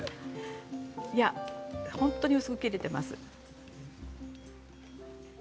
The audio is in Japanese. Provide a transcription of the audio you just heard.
本当に薄く切れています。